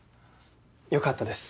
よかったです。